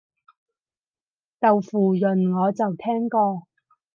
豆腐膶我就聽過